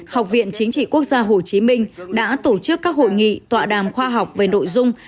học viện chính trị quốc gia hồ chí minh đã tổ chức các hội nghị tọa đàm khoa học về nội dung